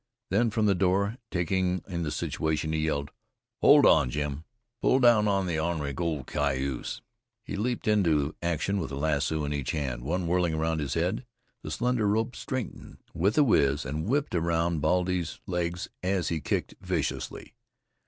Then from the door, taking in the situation, he yelled: "Hold on, Jim! Pull down on the ornery old cayuse!" He leaped into action with a lasso in each hand, one whirling round his head. The slender rope straightened with a whiz and whipped round Baldy's legs as he kicked viciously.